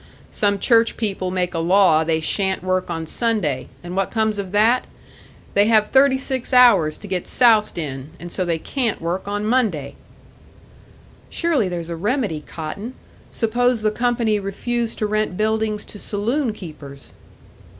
Some church people make a law they shan't work on Sunday and what comes of that? They have thirty six hours to get soused in, and so they can't work on Monday!" "Surely there's a remedy, Cotton! Suppose the company refused to rent buildings to saloon keepers?"